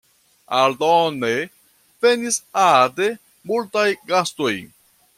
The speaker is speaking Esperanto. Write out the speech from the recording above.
Aldone venis ade multaj gastoj.